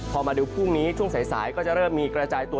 พอมาดูพรุ่งนี้ช่วงสายก็จะเริ่มมีกระจายตัว